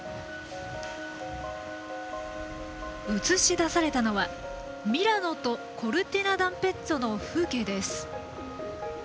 映し出されたのはミラノとコルティナダンペッツォの風景。